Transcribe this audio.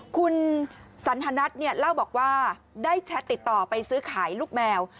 คุณสันทนัทเนี่ยเล่าบอกว่าได้แชทติดต่อไปซื้อขายลูกแมว